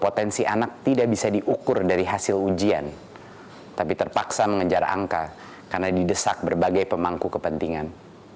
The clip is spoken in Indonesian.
potensi anak tidak bisa diukur dari hasil ujian tapi terpaksa mengejar angka karena didesak berbagai pemangku kepentingan